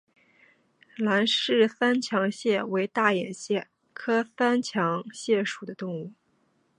兰氏三强蟹为大眼蟹科三强蟹属的动物。